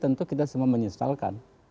tentu kita semua menyesalkan